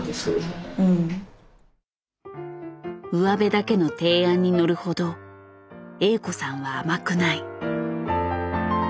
上辺だけの提案に乗るほどＡ子さんは甘くない。